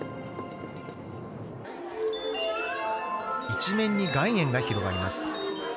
一面に岩塩が広がります。